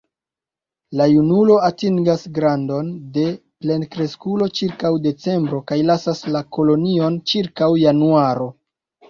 La junulo atingas grandon de plenkreskulo ĉirkaŭ decembro kaj lasas la kolonion ĉirkaŭ januaro.